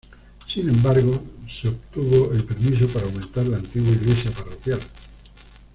Sin embargo, se obtuvo el permiso para aumentar la antigua iglesia parroquial.